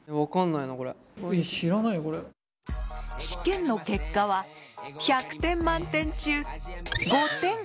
試験の結果は１００点満点中５点！